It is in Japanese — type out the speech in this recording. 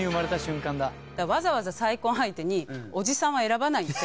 わざわざ再婚相手におじさんは選ばないです。